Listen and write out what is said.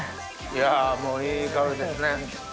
いやもういい香りですね。